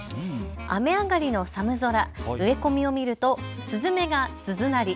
雨上がりの寒空、植え込みを見ると、スズメが鈴なり。